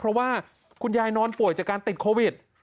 เพราะว่าคุณยายนอนป่วยจากการติดโควิด